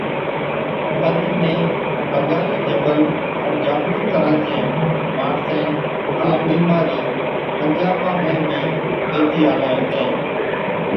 پَر اِميهن بنگالِي جبل ائُون جابلُون تران چين ماڻسين ها بِيمارِي پنجاپا ۾ بِي گيهٿِي آلين هِتين۔